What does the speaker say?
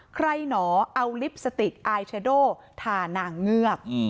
หนอเอาลิปสติกอายเชโดทานางเงือก